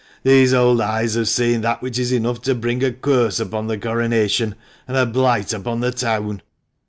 These old eyes have seen that which is enough to bring a curse upon the coronation and a blight upon the town."